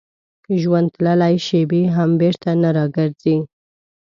ژوند تللې شېبې هم بېرته نه راګرځي.